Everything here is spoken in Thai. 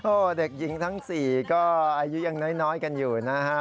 โอ้โหเด็กหญิงทั้ง๔ก็อายุยังน้อยกันอยู่นะฮะ